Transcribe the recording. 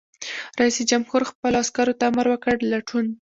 رئیس جمهور خپلو عسکرو ته امر وکړ؛ لټون!